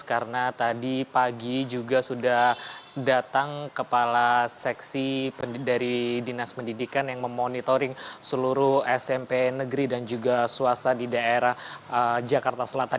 karena tadi pagi juga sudah datang kepala seksi dari dinas pendidikan yang memonitoring seluruh smp negeri dan juga swasta di daerah jakarta selatan